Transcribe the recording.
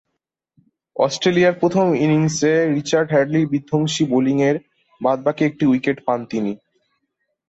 অস্ট্রেলিয়ার প্রথম ইনিংসে রিচার্ড হ্যাডলি’র বিধ্বংসী বোলিংয়ের বাদ-বাকী একটি উইকেট পান তিনি।